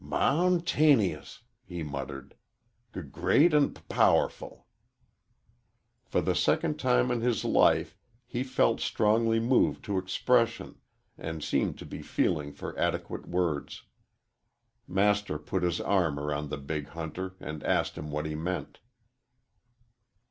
"Mountaneyous!" he muttered, "g great an' p powerful." For the second time in his life he felt strongly moved to expression and seemed to be feeling for adequate words. Master put his arm around the big hunter and asked him what he meant.